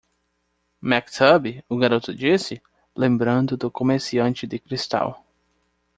"Maktub?" o garoto disse? lembrando do comerciante de cristal.